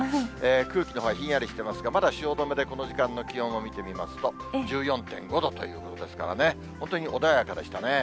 空気のほうはひんやりしていますが、まだ汐留でこの時間の気温を見てみますと、１４．５度ということですからね、本当に穏やかでしたね。